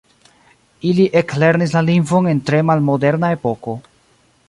Ili eklernis la lingvon en tre malmoderna epoko.